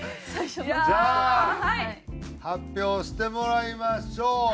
じゃあ発表してもらいましょう。